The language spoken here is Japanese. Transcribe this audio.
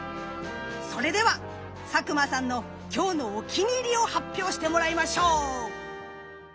それでは佐久間さんの今日のお気に入りを発表してもらいましょう。